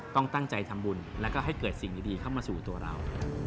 ต้องตั้งใจทำบุญแล้วก็ให้เกิดสิ่งดีเข้ามาสู่ตัวเรา